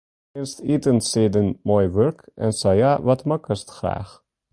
Fynst itensieden moai wurk, en sa ja, wat makkest graach?